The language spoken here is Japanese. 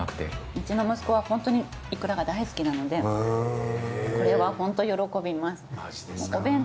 うちの息子はホントにいくらが大好きなのでこれはホント喜びます。